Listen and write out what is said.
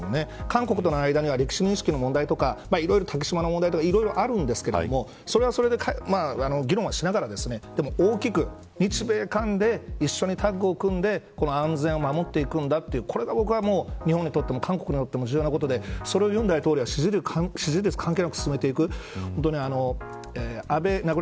韓国の間では歴史認識の問題とか竹島の問題とかいろいろあるんですけどそれはそれで議論しながらでも大きく日米韓で一緒にタッグを組んで安全を守っていくんだというこれが僕は、日本にとっても韓国にとっても重要なことでそれを尹大統領は支持率関係なく進めていく。